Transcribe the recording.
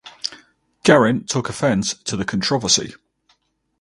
Garin took offence to the controversy.